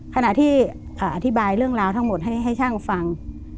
ขณะที่อธิบายเรื่องราวทั้งหมดให้ช่างฟัง